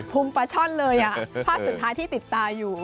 มปลาช่อนเลยภาพสุดท้ายที่ติดตาอยู่